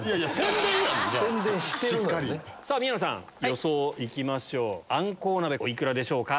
宮野さん予想いきましょうお幾らでしょうか？